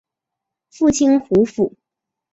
父亲吴甫。